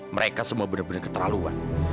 mereka semua bener bener keterlaluan